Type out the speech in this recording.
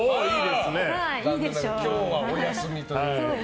今日はお休みということで。